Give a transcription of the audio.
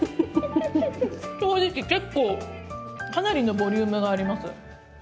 正直結構かなりのボリュームがあります。